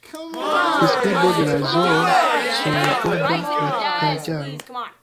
Priskribo de la zoo sur la urba retpaĝaro.